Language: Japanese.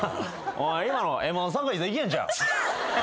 今のＭ−１３回戦いけんちゃう？